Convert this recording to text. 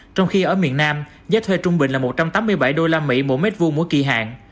trong khi ở miền nam giá thuê trung bình là một trăm tám mươi bảy usd mỗi mét vuông mỗi kỳ hạn